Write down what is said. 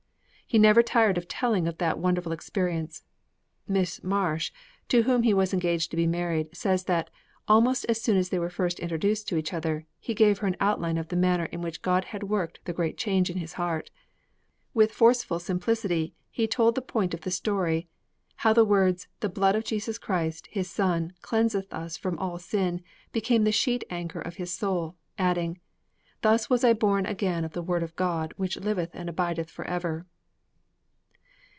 _' He never tired of telling of that wonderful experience. Miss Marsh, to whom he was engaged to be married, says that, almost as soon as they were first introduced to each other, 'he gave her an outline of the manner in which God had worked the great change in his heart. With forceful simplicity he told the point of the story; how the words, "The blood of Jesus Christ, His Son, cleanseth us from all sin," became the sheet anchor of his soul, adding, "Thus was I born again of the Word of God which liveth and abideth for ever!"'